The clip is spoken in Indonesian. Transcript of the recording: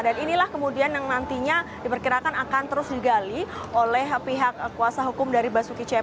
dan inilah kemudian yang nantinya diperkirakan akan terus digali oleh pihak kuasa hukum dari basuki c purnama